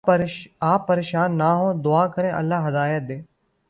آپ پریشان نہ ہوں دعا کریں اللہ ہدایت دے